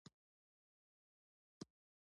خپل بخت یې بایلود.